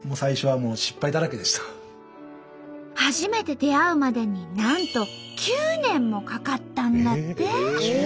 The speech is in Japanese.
初めて出会うまでになんと９年もかかったんだって。